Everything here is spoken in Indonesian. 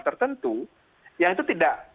tertentu yang itu tidak